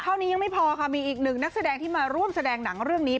เท่านี้ยังไม่พอค่ะมีอีกหนึ่งนักแสดงที่มาร่วมแสดงหนังเรื่องนี้